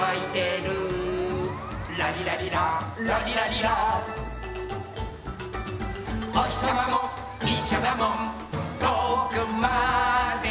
「ラリラリララリラリラ」「おひさまもいっしょだもんとおくまでゆこう！」